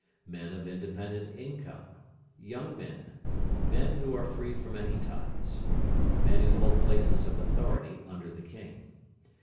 Men of independent income. Young men. Men who are free from any ties. Men who hold places of authority under the King.